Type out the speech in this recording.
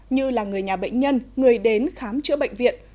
như là người nhà bệnh nhân người đến khám chữa bệnh viện